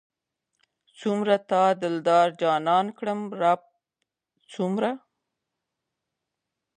څومره تا دلدار جانان کړم رب څومره